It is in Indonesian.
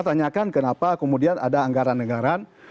tanyakan kenapa kemudian ada anggaran anggaran